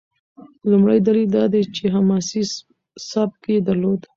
لومړی دلیل دا دی چې حماسي سبک یې درلود.